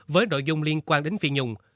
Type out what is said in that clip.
với nội dung liên quan đến phi nhung